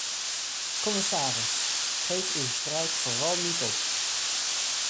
Commissaris, geef uw strijd vooral niet op.